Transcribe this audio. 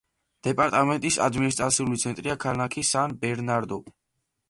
დეპარტამენტის ადმინისტრაციული ცენტრია ქალაქი სან-ბერნარდო.